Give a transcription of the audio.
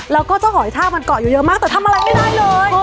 แล้วก็เจ้าหอยทากมันเกาะอยู่เยอะมากแต่ทำอะไรไม่ได้เลย